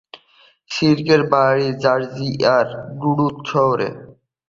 সিঙ্কের বাড়ি জর্জিয়ার ডুলুথ শহরে।